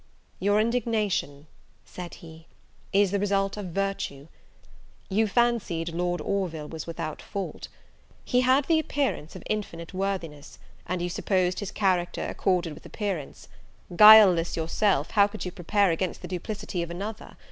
"Your indignation," said he, "is the result of virtue; you fancied Lord Orville was without fault he had the appearance of infinite worthiness, and you supposed his character accorded with appearance: guileless yourself, how could you prepare against the duplicity of another?